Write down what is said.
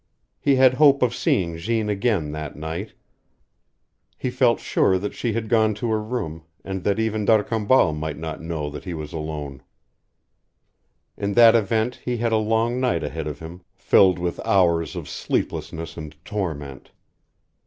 He had hope of seeing Jeanne again that night. He felt sure that she had gone to her room, and that even D'Arcambal might not know that he was alone. In that event he had a long night ahead of him, filled with hours of sleeplessness and torment.